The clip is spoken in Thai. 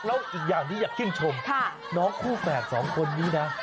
รออีกอย่างที่ยังช่วงชมน้องคู่แฝด๒คนนี้นะ